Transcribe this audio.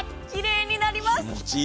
きれいになります。